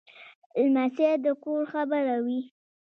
لمسی د کور خبره وي.